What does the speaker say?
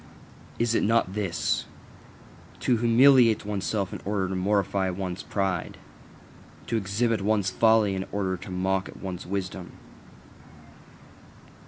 Is it not this: To humiliate oneself in order to mortify one's pride? To exhibit one's folly in order to mock at one's wisdom?